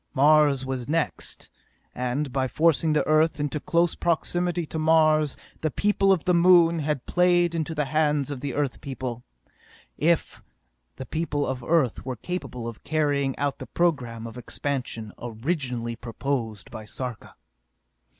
Mars was next, and by forcing the Earth into close proximity to Mars the people of the Moon had played into the hands of Earth people if the people of Earth were capable of carrying out the program of expansion originally proposed by Sarka!